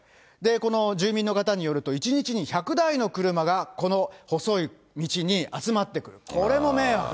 この住民の方によると、１日に１００台の車がこの細い道に集まってくる。